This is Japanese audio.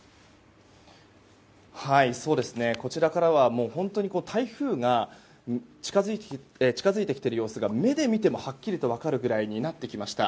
こちらからは本当に台風が近づいてきている様子が目で見てもはっきりと分かるくらいになってきました。